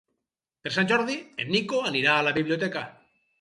Per Sant Jordi en Nico anirà a la biblioteca.